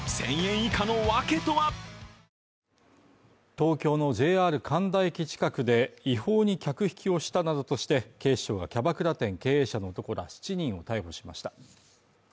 東京のＪＲ神田駅近くで違法に客引きをしたなどとして、警視庁がキャバクラ店経営者の男ら７人を逮捕しました。